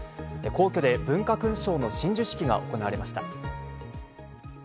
皇居で文化勲章の親授式が行われました。